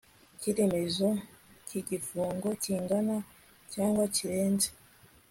cy iremezo cy igifungo kingana cyangwa kirenze